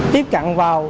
tiếp cận vào